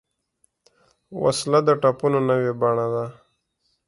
وسله د ټپونو نوې بڼه ده